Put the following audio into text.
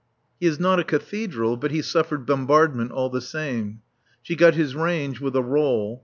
He is not a Cathedral, but he suffered bombardment all the same. She got his range with a roll.